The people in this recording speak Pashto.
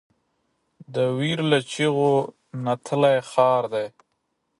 د ویر له چیغو نتلی ښار دی